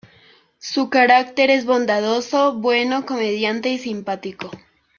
Su carácter es bondadoso, bueno, comediante y simpático.